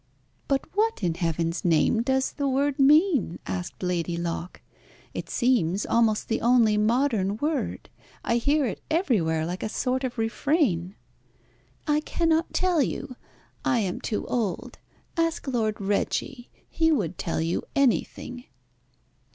"But what in Heaven's name does that word mean?" asked Lady Locke. "It seems almost the only modern word. I hear it everywhere like a sort of refrain." "I cannot tell you. I am too old. Ask Lord Reggie. He would tell you anything."